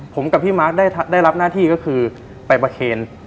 ผมกับพี่มาร์คได้รับหน้าที่ก็คือไปประเคน